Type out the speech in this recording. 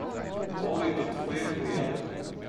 O oleoduto foi ampliado